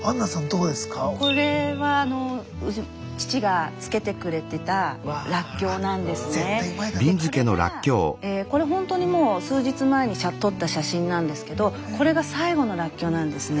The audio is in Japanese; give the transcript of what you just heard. これがこれほんとにもう数日前に撮った写真なんですけどこれが最後のらっきょうなんですね。